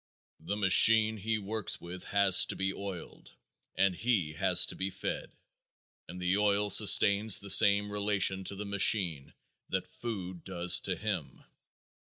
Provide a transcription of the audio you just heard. The machine he works with has to be oiled, and he has to be fed, and the oil sustains the same relation to the machine that food does to him.